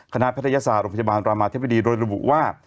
คณะพัทยศาสตร์อุปจัยบาลรามทะเบดีโดยราบุว่า